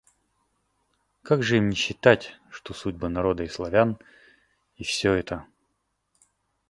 Как же им не считать, что судьбы народа и Славян... и всё это?